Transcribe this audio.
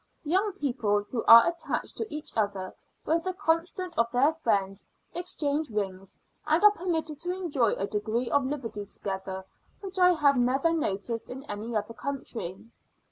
Young people who are attached to each other, with the consent of their friends, exchange rings, and are permitted to enjoy a degree of liberty together which I have never noticed in any other country.